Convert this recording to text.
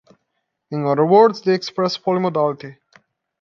In other words, they express polymodality.